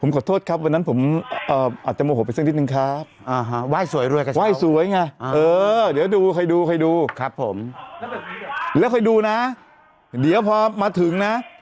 ก็นั่นไงเราก็ไม่หยุดด้วยแหละ